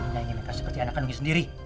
dia nyanyi meka seperti anak kandungnya sendiri